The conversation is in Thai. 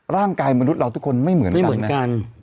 ร่างกายมนุษย์เราทุกคนไม่เหมือนกันนะไม่เหมือนกัน